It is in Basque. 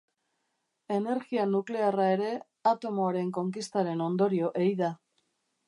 Energia nuklearra ere, atomoaren konkistaren ondorio ei da.